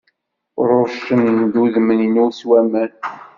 Ṛuccen-d udem-inu s waman.